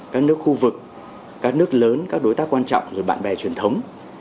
các nước khu vực các nước lớn các đối tác quan trọng bạn bè truyền thống